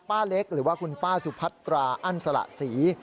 เล็กหรือว่าคุณป้าสุพัตราอั้นสละศรี